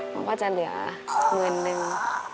หรือว่าจะเหลือเงินหนึ่ง